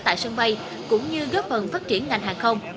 tại sân bay cũng như góp phần phát triển ngành hàng không